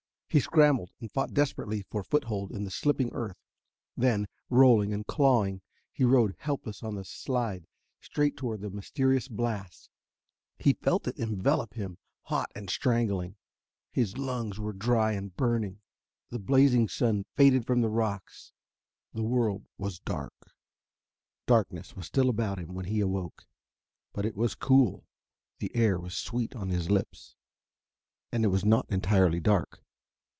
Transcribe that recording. He scrambled and fought desperately for foothold in the slipping earth. Then, rolling and clawing, he rode helpless on the slide straight toward the mysterious blast. He felt it envelop him, hot and strangling. His lungs were dry and burning ... the blazing sun faded from the rocks ... the world was dark.... Darkness was still about him when he awoke. But it was cool; the air was sweet on his lips. And it was not entirely dark.